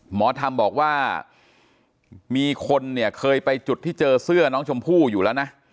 หมอธรรมบอกว่ามีคนเนี่ยเคยไปจุดที่เจอเสื้อน้องชมพู่อยู่แล้วนะ